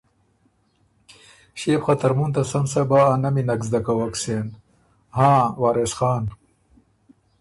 ݭيې بو خه ترمُن ته سن صبا ا نمی نک زدۀ کوک سېن، هاں وارث خان“